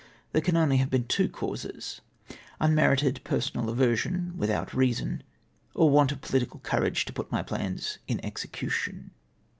There can only have been two causes, — unmerited personal aversion without reason, or want of pohtical courage to put my plans in execution.